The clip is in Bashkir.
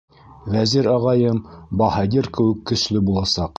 Вәзир ағайым баһадир кеүек көслө буласаҡ.